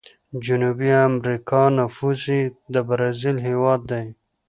جنوبي امريکا نفوس یې د برازیل هیواد دی.